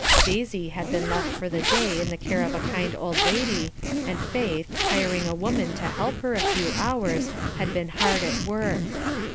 Daisy had been left for the day in the care of a kind old lady, and Faith, hiring a woman to help her a few hours, had been hard at work.